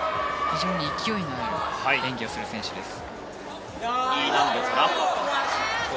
非常に勢いのある演技をする選手です。